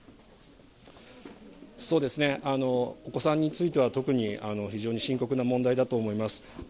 お子さんについては、特に非常に深刻な問題だと思います。